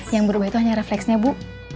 yang berubah itu hanya refleksnya bu